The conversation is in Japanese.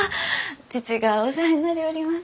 父がお世話になりょうります。